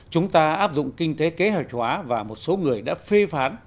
chúng ta áp dụng kinh tế kế hoạch hóa và một số người đã phê phán